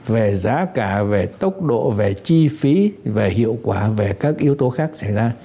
về giá cả về tốc độ về chi phí về hiệu quả về các yếu tố khác xảy ra